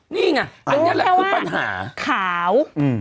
รู้แค่ว่าขาว